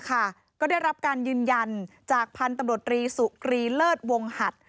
ก็ได้รับการยืนยันจากพันธุ์ตำรวจรีสุกรีเลิศวงหัด